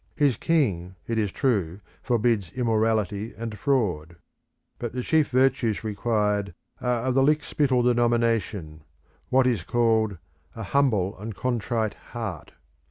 His king, it is true, forbids immorality and fraud. But the chief virtues required are of the lickspittle denomination what is called "a humble and a contrite heart."